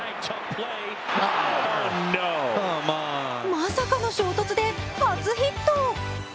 まさかの衝突で初ヒット。